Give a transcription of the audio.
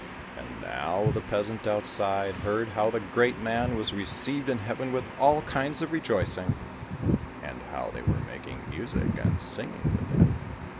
And now the peasant outside, heard how the great man was received in heaven with all kinds of rejoicing, and how they were making music, and singing within.